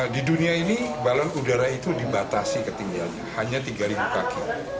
di dunia ini balon udara itu dibatasi ketinggiannya hanya tiga kaki